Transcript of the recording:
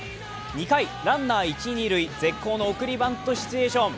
２回、ランナー一・二塁絶好の送りバントシチュエーション。